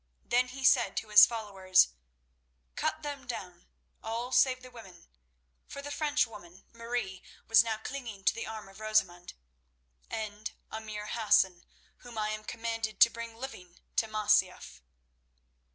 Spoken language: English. Then he said to his followers, "Cut them down, all save the women"—for the Frenchwoman, Marie, was now clinging to the arm of Rosamund—"and emir Hassan, whom I am commanded to bring living to Masyaf."